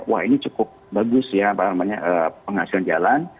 wah ini cukup bagus ya penghasilan jalan